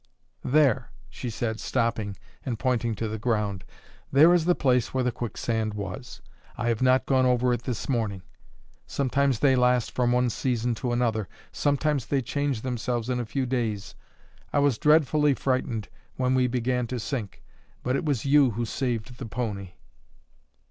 "There," she said, stopping and pointing to the ground "there is the place where the quicksand was. I have not gone over it this morning. Sometimes they last from one season to another; sometimes they change themselves in a few days. I was dreadfully frightened when we began to sink, but it was you who saved the pony."